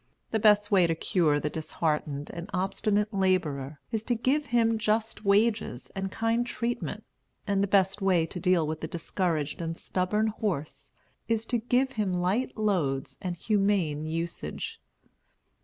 The best way to cure the disheartened and obstinate laborer is to give him just wages and kind treatment; and the best way to deal with the discouraged and stubborn horse is to give him light loads and humane usage.